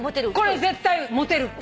これは絶対モテる。